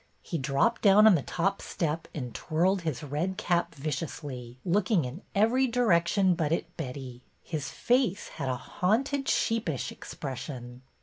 He dropped down on the top step and twirled his red cap viciously, looking in every direction but at Betty. His face had a haunted, sheepish expression.